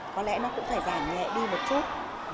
có lẽ nó cũng phải giảm nhẹ đi một chút